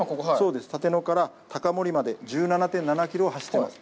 立野から高森まで１７．７キロを走っています。